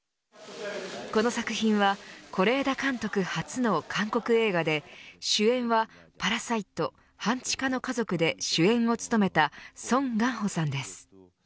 この作品は是枝監督初の韓国映画で主演はパラサイト半地下の家族で主演を務めたソン・ガンホさんです。